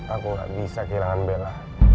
aku tidak bisa kehilangan bella